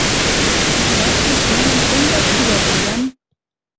«Лӓктеш, мӹньӹм тӹнь вӓшлиӓт, йӓм?